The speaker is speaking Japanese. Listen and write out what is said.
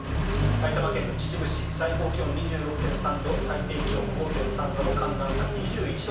埼玉県の秩父市最高気温２６．３度最低気温５．３度の寒暖差２１度。